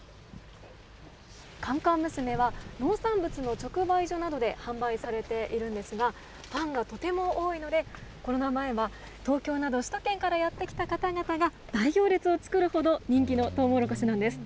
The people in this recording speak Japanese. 甘々娘は、農産物の直売所などで販売されているんですが、ファンがとても多いので、コロナ前は東京など首都圏からやって来た方々が大行列を作るほど、人気のトウモロコシなんです。